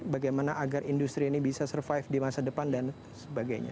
bagaimana agar industri ini bisa survive di masa depan dan sebagainya